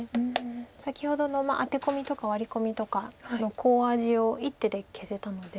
先ほどのアテ込みとかワリ込みとかのコウ味を１手で消せたので。